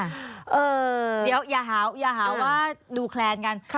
เดี๋ยวอย่าหาว่าดูแคลนกัน